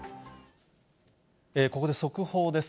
ここで速報です。